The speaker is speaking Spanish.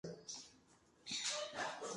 Su dieta consiste de pequeños insectos y arañas.